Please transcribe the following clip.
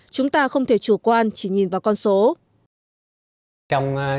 chúng ta không thể chủ quan chỉ nhìn vào con số